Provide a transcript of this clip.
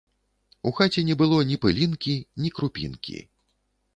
У хаце не было ні пылінкі, ні крупінкі.